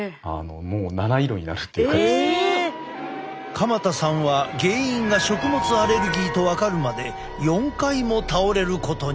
鎌田さんは原因が食物アレルギーと分かるまで４回も倒れることに。